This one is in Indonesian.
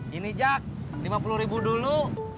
gini jak lima puluh ribu dulu